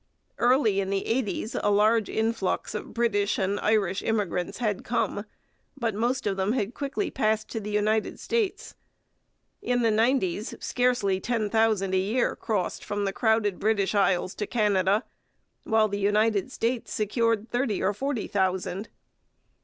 Early in the eighties a large influx of British and Irish immigrants had come, but most of them had quickly passed to the United States. In the nineties scarcely ten thousand a year crossed from the crowded British Isles to Canada, while the United States secured thirty or forty thousand.